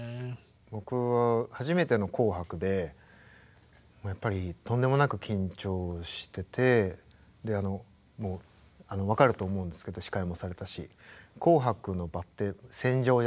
僕初めての「紅白」でやっぱりとんでもなく緊張してて分かると思うんですけど司会もされたし戦場ですね。